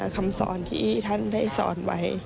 คำสอนที่ท่านได้สอนไว้